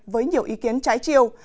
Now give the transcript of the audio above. với nhiều ý kiến trái chiều